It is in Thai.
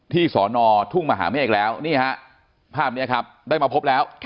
สอนอทุ่งมหาเมฆแล้วนี่ฮะภาพนี้ครับได้มาพบแล้ว